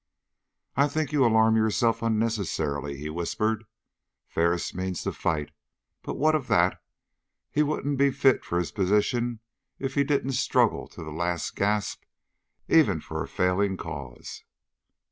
"I think you alarm yourself unnecessarily," he whispered. "Ferris means to fight, but what of that? He wouldn't be fit for his position if he didn't struggle to the last gasp even for a failing cause."